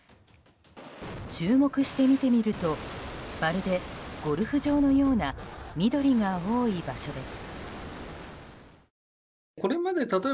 注目して見てみるとまるでゴルフ場のような緑が多い場所です。